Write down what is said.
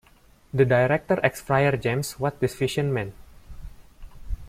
The Director asked Friar James what this vision meant.